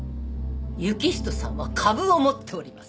行人さんは株を持っております。